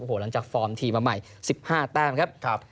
หลังจากฟอร์มทีมมาใหม่๑๕แต้มครับ